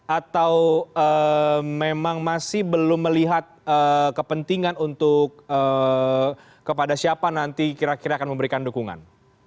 atau memang masih belum melihat kepentingan untuk kepada siapa nanti kira kira akan memberikan dukungan